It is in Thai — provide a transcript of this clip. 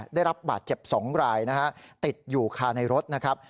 ได้รับบาดเจ็บ๒รายนะฮะติดอยู่คาในรถนะครับ